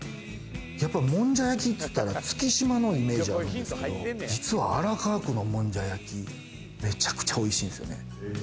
もんじゃ焼きって言ったら月島のイメージがあるんですけど実は荒川区のもんじゃ焼きめちゃくちゃおいしいんですよね。